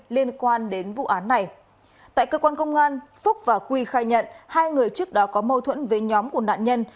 liên quan đến vụ án này tại cơ quan công an phúc và quy khai nhận hai người trước đó có mâu thuẫn với nhóm của nạn nhân